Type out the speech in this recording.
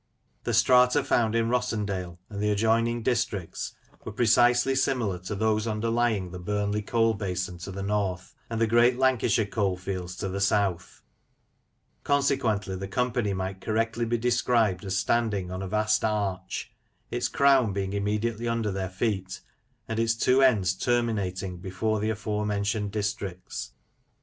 The strata found in Rossendale and the adjoining districts were precisely similar to those underlying the Burnley coal basin to the north, and the great Lancashire coal fields to the south; consequently the company might correctly be described as standing on a vast arch^ its crown being immediately under their feet, and its two ends terminating below the afore mentioned districts.